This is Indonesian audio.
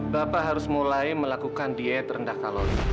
bapak harus mulai melakukan diet rendah kalori